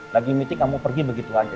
lagi meeting kamu pergi begitu aja